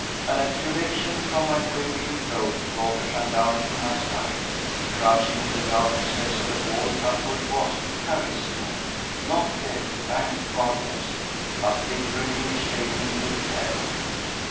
An ejaculation from my quivering throat brought the gendarme to my side. Crouching in the dark recess of the wall cupboard was Carissimo—not dead, thank goodness! but literally shaking with terror.